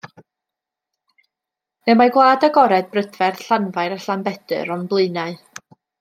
Y mae gwlad agored brydferth Llanfair a Llanbedr o'n blaenau.